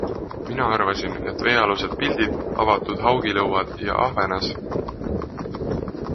mina arvasin, et veealused pildid, avatud haugilõuad ja Ahvenas...